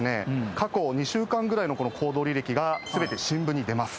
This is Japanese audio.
過去２週間ぐらいの行動履歴が全て新聞に出ます。